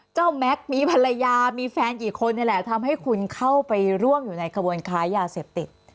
แม็กซ์มีภรรยามีแฟนกี่คนนี่แหละทำให้คุณเข้าไปร่วมอยู่ในกระบวนค้ายาเสพติด